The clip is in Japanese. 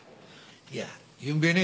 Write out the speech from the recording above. いやゆんべね